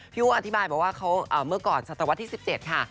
อู๋อธิบายบอกว่าเขาเมื่อก่อนศตวรรษที่๑๗ค่ะ